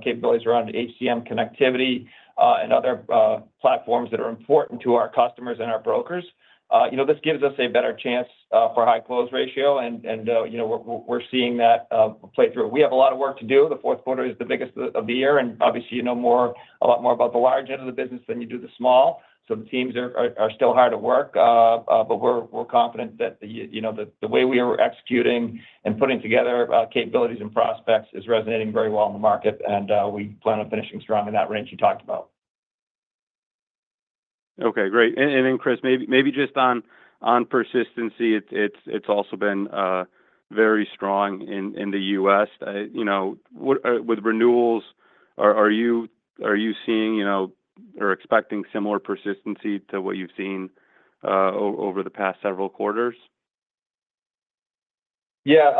S8: capabilities around HCM connectivity and other platforms that are important to our customers and our brokers. This gives us a better chance for high close ratio, and we're seeing that play through. We have a lot of work to do. The fourth quarter is the biggest of the year, and obviously, you know a lot more about the large end of the business than you do the small. So the teams are still hard at work, but we're confident that the way we are executing and putting together capabilities and prospects is resonating very well in the market, and we plan on finishing strong in that range you talked about.
S11: Okay. Great. And then, Chris, maybe just on persistency, it's also been very strong in the U.S. With renewals, are you seeing or expecting similar persistency to what you've seen over the past several quarters?
S8: Yeah.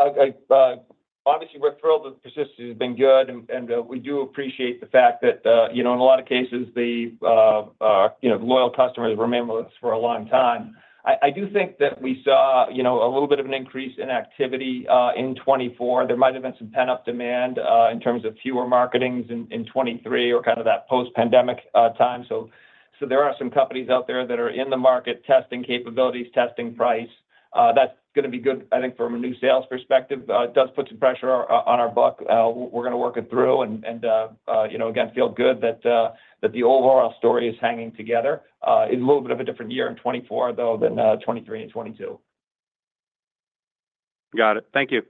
S8: Obviously, renewal persistency has been good, and we do appreciate the fact that in a lot of cases, the loyal customers remain with us for a long time. I do think that we saw a little bit of an increase in activity in 2024. There might have been some pent-up demand in terms of fewer marketings in 2023 or kind of that post-pandemic time. So there are some companies out there that are in the market testing capabilities, testing price. That's going to be good, I think, from a new sales perspective. It does put some pressure on our book. We're going to work it through. And again, feel good that the overall story is hanging together. It's a little bit of a different year in 2024, though, than 2023 and 2022.
S11: Got it. Thank you.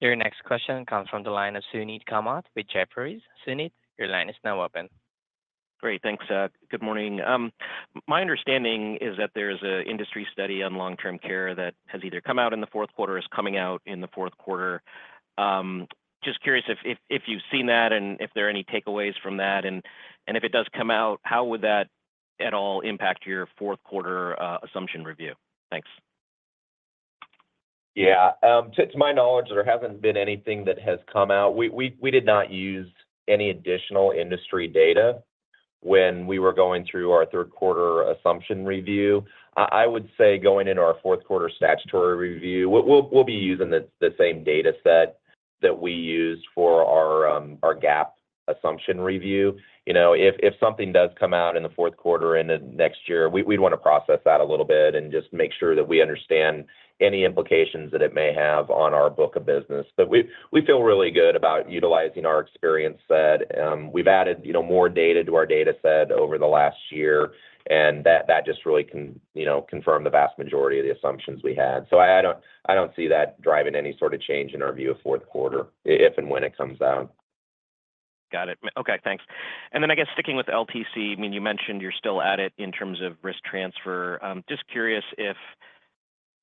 S1: Your next question comes from the line of Suneet Kamath with Jefferies. Suneet, your line is now open.
S12: Great. Thanks. Good morning. My understanding is that there is an industry study on long-term care that has either come out in the fourth quarter or is coming out in the fourth quarter. Just curious if you've seen that and if there are any takeaways from that, and if it does come out, how would that at all impact your fourth quarter assumption review? Thanks.
S4: Yeah. To my knowledge, there hasn't been anything that has come out. We did not use any additional industry data when we were going through our third quarter assumption review. I would say going into our fourth quarter statutory review, we'll be using the same data set that we used for our GAAP assumption review. If something does come out in the fourth quarter in the next year, we'd want to process that a little bit and just make sure that we understand any implications that it may have on our book of business. But we feel really good about utilizing our experience set. We've added more data to our data set over the last year, and that just really can confirm the vast majority of the assumptions we had. So I don't see that driving any sort of change in our view of fourth quarter, if and when it comes out.
S12: Got it. Okay. Thanks. And then, I guess, sticking with LTC, I mean, you mentioned you're still at it in terms of risk transfer. Just curious if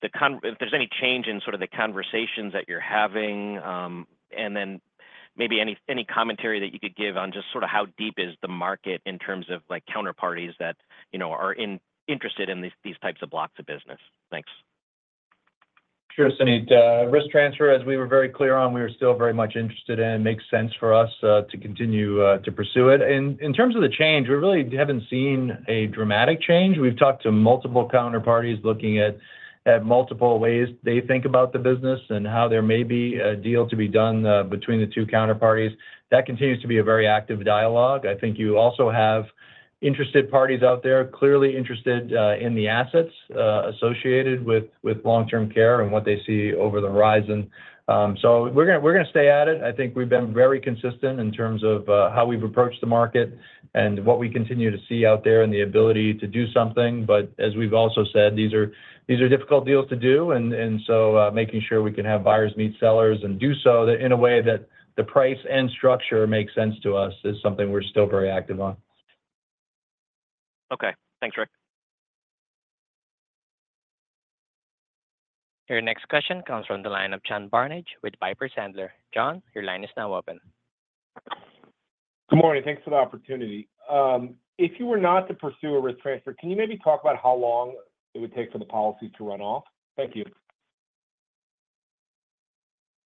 S12: there's any change in sort of the conversations that you're having, and then maybe any commentary that you could give on just sort of how deep is the market in terms of counterparties that are interested in these types of blocks of business? Thanks.
S3: Sure. Suneet, risk transfer, as we were very clear on, we were still very much interested in. It makes sense for us to continue to pursue it. In terms of the change, we really haven't seen a dramatic change. We've talked to multiple counterparties looking at multiple ways they think about the business and how there may be a deal to be done between the two counterparties. That continues to be a very active dialogue. I think you also have interested parties out there, clearly interested in the assets associated with long-term care and what they see over the horizon. So we're going to stay at it. I think we've been very consistent in terms of how we've approached the market and what we continue to see out there and the ability to do something. But as we've also said, these are difficult deals to do. And so making sure we can have buyers meet sellers and do so in a way that the price and structure makes sense to us is something we're still very active on.
S12: Okay. Thanks, Rick.
S1: Your next question comes from the line of John Barnidge with Piper Sandler. John, your line is now open.
S13: Good morning. Thanks for the opportunity. If you were not to pursue a risk transfer, can you maybe talk about how long it would take for the policy to run off? Thank you.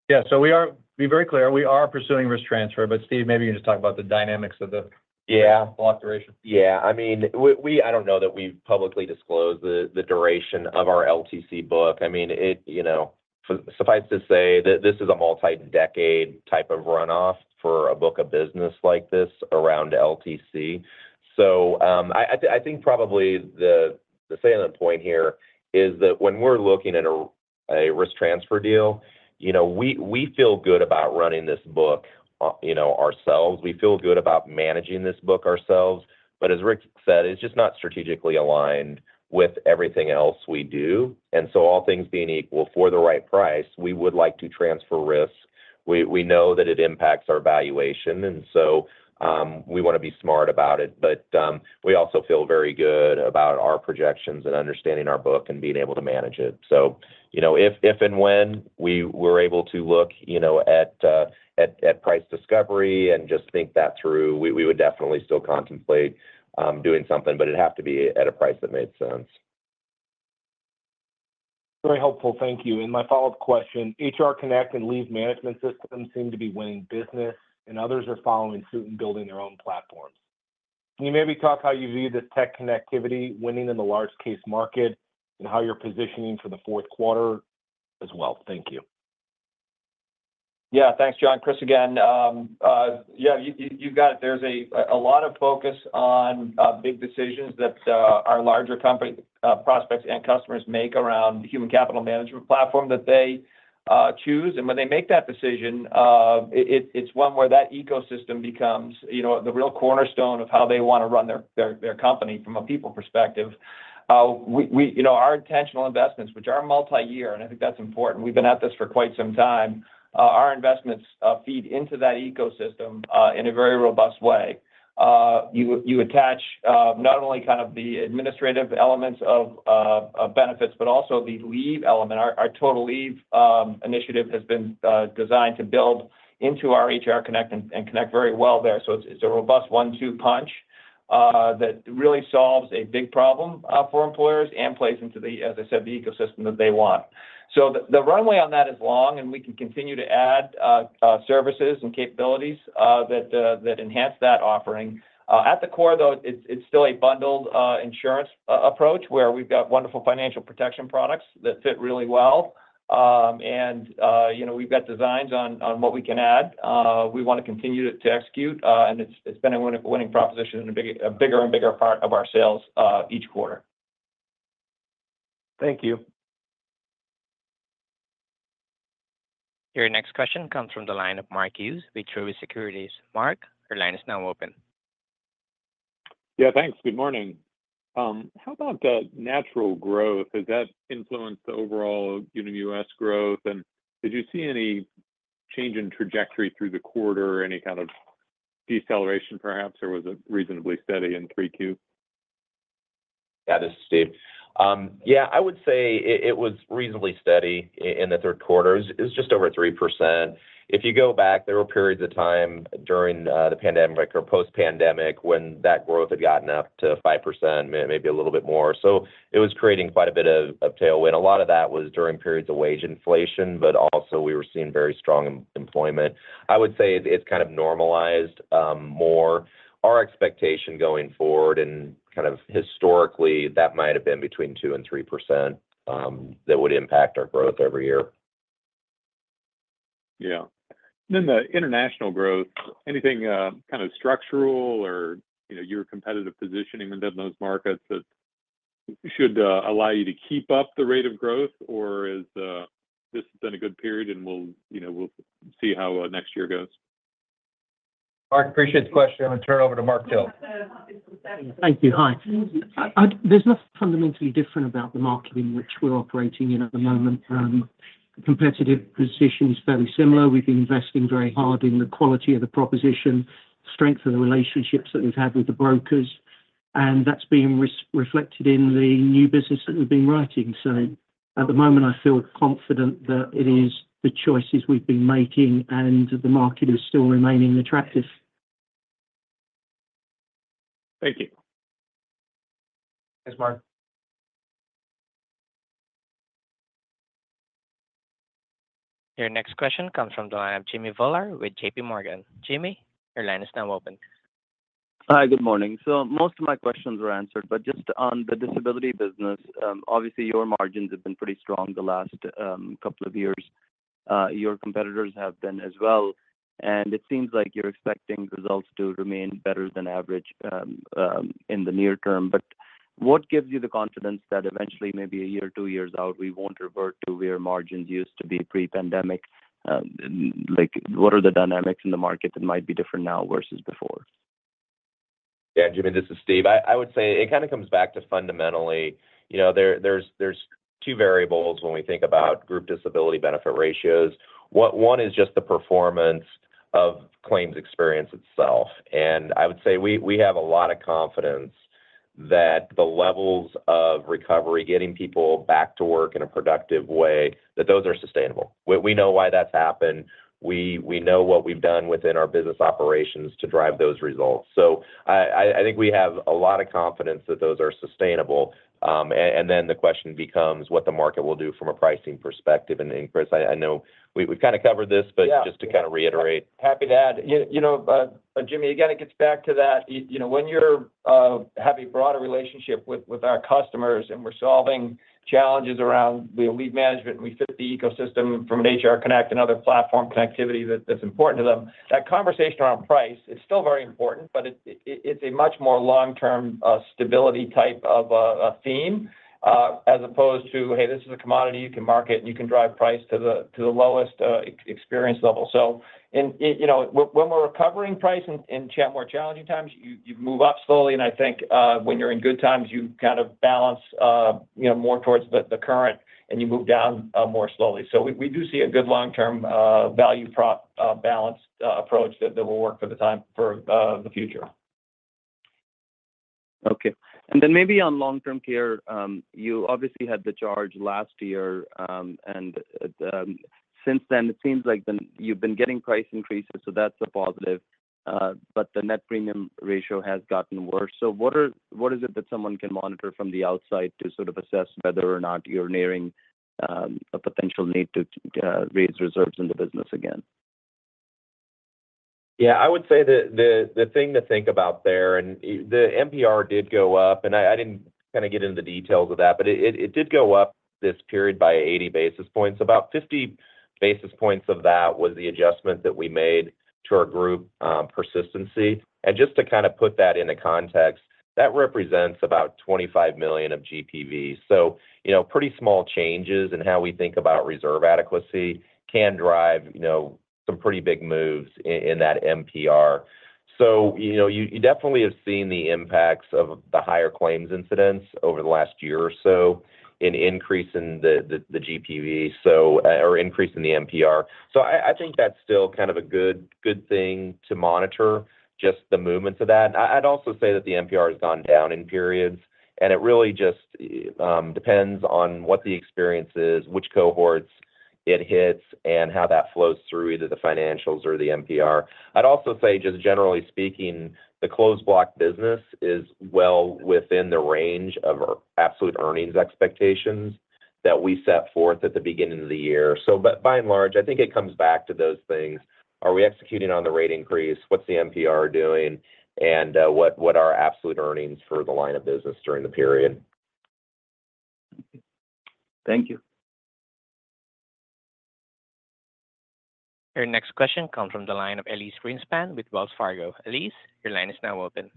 S3: Yeah. So to be very clear, we are pursuing risk transfer, but Steve, maybe you can just talk about the dynamics of the block duration.
S4: Yeah. I mean, I don't know that we've publicly disclosed the duration of our LTC book. I mean, suffice to say that this is a multi-decade type of runoff for a book of business like this around LTC. So I think probably the salient point here is that when we're looking at a risk transfer deal, we feel good about running this book ourselves. We feel good about managing this book ourselves. But as Rick said, it's just not strategically aligned with everything else we do. And so all things being equal, for the right price, we would like to transfer risk. We know that it impacts our valuation, and so we want to be smart about it. But we also feel very good about our projections and understanding our book and being able to manage it. So if and when we were able to look at price discovery and just think that through, we would definitely still contemplate doing something, but it'd have to be at a price that made sense.
S13: Very helpful. Thank you. And my follow-up question, HR Connect and Leave Management System seem to be winning business, and others are following suit and building their own platforms. Can you maybe talk how you view this tech connectivity winning in the large-case market and how you're positioning for the fourth quarter as well? Thank you.
S8: Yeah. Thanks, John. Chris, again, yeah, you've got it. There's a lot of focus on big decisions that our larger company prospects and customers make around the human capital management platform that they choose. When they make that decision, it's one where that ecosystem becomes the real cornerstone of how they want to run their company from a people perspective. Our intentional investments, which are multi-year, and I think that's important. We've been at this for quite some time. Our investments feed into that ecosystem in a very robust way. You attach not only kind of the administrative elements of benefits, but also the leave element. Our Total Leave initiative has been designed to build into our HR Connect and connect very well there. So it's a robust one-two punch that really solves a big problem for employers and plays into, as I said, the ecosystem that they want. So the runway on that is long, and we can continue to add services and capabilities that enhance that offering. At the core, though, it's still a bundled insurance approach where we've got wonderful financial protection products that fit really well. And we've got designs on what we can add. We want to continue to execute, and it's been a winning proposition and a bigger and bigger part of our sales each quarter. Thank you.
S1: Your next question comes from the line of Mark Hughes, with Truist Securities. Mark, your line is now open.
S14: Yeah. Thanks. Good morning. How about natural growth? Has that influenced the overall Unum US growth? And did you see any change in trajectory through the quarter, any kind of deceleration, perhaps, or was it reasonably steady in 3Q?
S4: Yeah. This is Steve. Yeah. I would say it was reasonably steady in the third quarter. It was just over 3%. If you go back, there were periods of time during the pandemic or post-pandemic when that growth had gotten up to 5%, maybe a little bit more. So it was creating quite a bit of tailwind. A lot of that was during periods of wage inflation, but also we were seeing very strong employment. I would say it's kind of normalized more. Our expectation going forward, and kind of historically, that might have been between 2% and 3% that would impact our growth every year.
S14: Yeah. Then the international growth, anything kind of structural or your competitive positioning within those markets that should allow you to keep up the rate of growth, or has this been a good period, and we'll see how next year goes?
S4: Mark, appreciate the question. I'm going to turn it over to Mark Till.
S15: Thank you. Hi. There's nothing fundamentally different about the market in which we're operating at the moment. The competitive position is fairly similar. We've been investing very hard in the quality of the proposition, strength of the relationships that we've had with the brokers, and that's being reflected in the new business that we've been writing. So at the moment, I feel confident that it is the choices we've been making, and the market is still remaining attractive.
S4: Thank you. Thanks, Mark.
S1: Your next question comes from the line of Jimmy Bhullar with JPMorgan. Jimmy, your line is now open.
S16: Hi. Good morning. So most of my questions were answered, but just on the disability business, obviously, your margins have been pretty strong the last couple of years. Your competitors have been as well. And it seems like you're expecting results to remain better than average in the near term. But what gives you the confidence that eventually, maybe a year or two years out, we won't revert to where margins used to be pre-pandemic? What are the dynamics in the market that might be different now versus before?
S4: Yeah. Jimmy, this is Steve. I would say it kind of comes back to fundamentally. There's two variables when we think about group disability benefit ratios. One is just the performance of claims experience itself. And I would say we have a lot of confidence that the levels of recovery, getting people back to work in a productive way, that those are sustainable. We know why that's happened. We know what we've done within our business operations to drive those results. So I think we have a lot of confidence that those are sustainable. And then the question becomes what the market will do from a pricing perspective. And Chris, I know we've kind of covered this, but just to kind of reiterate.
S8: Happy to add. Jimmy, again, it gets back to that. When you're having a broader relationship with our customers and we're solving challenges around the leave management, we fit the ecosystem from an HR Connect and other platform connectivity that's important to them. That conversation around price, it's still very important, but it's a much more long-term stability type of theme as opposed to, "Hey, this is a commodity you can market, and you can drive price to the lowest experience level." So when we're recovering price in more challenging times, you move up slowly. And I think when you're in good times, you kind of balance more towards the current, and you move down more slowly. So we do see a good long-term value prop balance approach that will work for the future. Okay.
S16: And then maybe on long-term care, you obviously had the charge last year. And since then, it seems like you've been getting price increases, so that's a positive. But the net premium ratio has gotten worse. So what is it that someone can monitor from the outside to sort of assess whether or not you're nearing a potential need to raise reserves in the business again?
S4: Yeah. I would say the thing to think about there, and the NPR did go up, and I didn't kind of get into the details of that, but it did go up this period by 80 basis points. About 50 basis points of that was the adjustment that we made to our group persistency. And just to kind of put that into context, that represents about 25 million of GPVs. Pretty small changes in how we think about reserve adequacy can drive some pretty big moves in that MPR. You definitely have seen the impacts of the higher claims incidents over the last year or so in increasing the GPV or increasing the MPR. I think that's still kind of a good thing to monitor, just the movements of that. I'd also say that the MPR has gone down in periods, and it really just depends on what the experience is, which cohorts it hits, and how that flows through either the financials or the MPR. I'd also say, just generally speaking, the closed-block business is well within the range of our absolute earnings expectations that we set forth at the beginning of the year. By and large, I think it comes back to those things. Are we executing on the rate increase? What's the NPR doing? And what are absolute earnings for the line of business during the period?
S16: Thank you.
S1: Your next question comes from the line of Elyse Greenspan with Wells Fargo. Elise, your line is now open.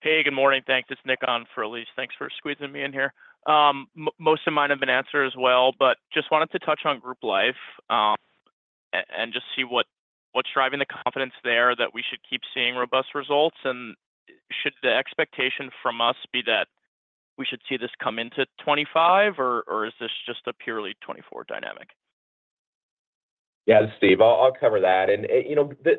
S17: Hey. Good morning. Thanks. It's Nick on for Elyse. Thanks for squeezing me in here. Most of mine have been answered as well, but just wanted to touch on group life and just see what's driving the confidence there that we should keep seeing robust results. And should the expectation from us be that we should see this come into 2025, or is this just a purely 2024 dynamic?
S4: Yeah. This is Steve. I'll cover that. And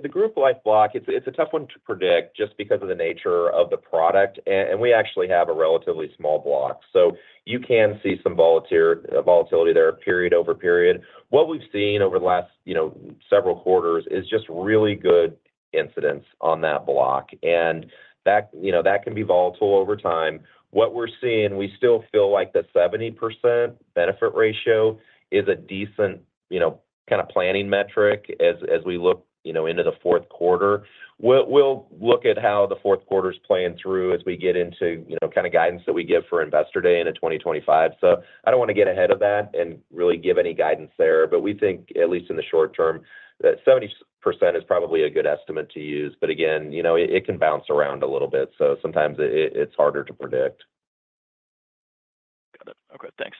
S4: the group life block, it's a tough one to predict just because of the nature of the product. And we actually have a relatively small block. So you can see some volatility there, period over period. What we've seen over the last several quarters is just really good incidents on that block. And that can be volatile over time. What we're seeing, we still feel like the 70% benefit ratio is a decent kind of planning metric as we look into the fourth quarter. We'll look at how the fourth quarter is playing through as we get into kind of guidance that we give for investor day in 2025. So I don't want to get ahead of that and really give any guidance there. But we think, at least in the short term, that 70% is probably a good estimate to use. But again, it can bounce around a little bit. So sometimes it's harder to predict.
S17: Got it. Okay. Thanks.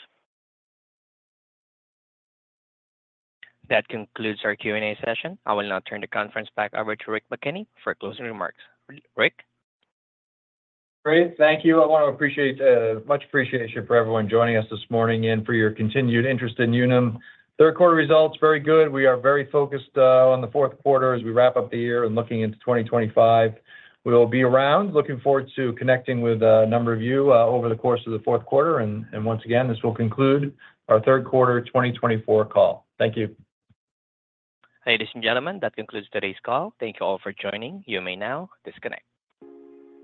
S1: That concludes our Q&A session. I will now turn the conference back over to Rick McKenney for closing remarks. Rick?
S3: Great. Thank you. I want to appreciate much appreciation for everyone joining us this morning and for your continued interest in Unum. Third quarter results, very good. We are very focused on the fourth quarter as we wrap up the year and looking into 2025. We'll be around. Looking forward to connecting with a number of you over the course of the fourth quarter. Once again, this will conclude our third quarter 2024 call. Thank you.
S1: Ladies and gentlemen, that concludes today's call. Thank you all for joining. You may now disconnect.